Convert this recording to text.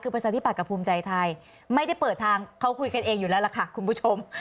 คือประชาธิบัตย์กับภูมิใจไทยไม่ได้เปิดทางเขาคุยกันเองอยู่แล้วล่ะค่ะคุณผู้ชม